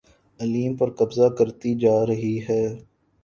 علیم پر قبضہ کرتی جا رہی ہے